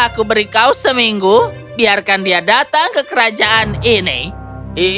aku akan menjaga dia seminggu biarkan dia datang ke kerajaan ini